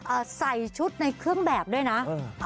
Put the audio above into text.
ใส่ชุดในเครื่องแบบด้วยนะเออ